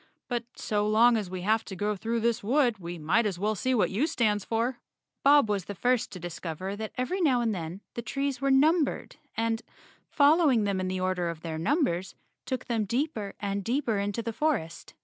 But so long as we have to go through this wood, we might as well see what U stands for." Bob was the first to discover that every now and then the trees were numbered and, following them in the order of their numbers, took them deeper and deeper into the forest.